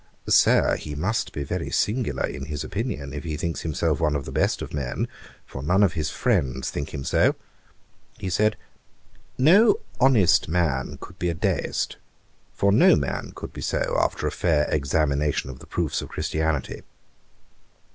'Sir, he must be very singular in his opinion, if he thinks himself one of the best of men; for none of his friends think him so.' He said, 'no honest man could be a Deist; for no man could be so after a fair examination of the proofs of Christianity.'